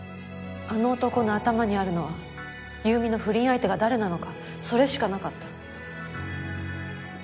あの男の頭にあるのは優美の不倫相手が誰なのかそれしかなかった。